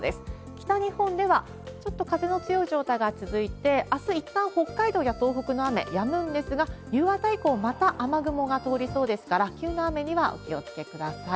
北日本ではちょっと風の強い状態が続いて、あす、いったん北海道や東北の雨、やむんですが、夕方以降、また雨雲が通りそうですから、急な雨にはお気をつけください。